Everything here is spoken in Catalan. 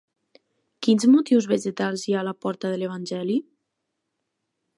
Quins motius vegetals hi ha a la porta de l'evangeli?